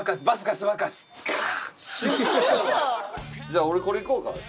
じゃあ俺これいこうかな。